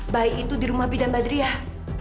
bayi itu di rumah bidan badriah